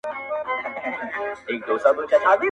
د زاريو له دې کښته قدم اخله~